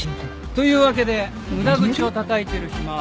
というわけで無駄口をたたいてる暇はありませんよ。